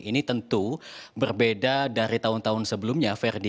ini tentu berbeda dari tahun tahun sebelumnya ferdi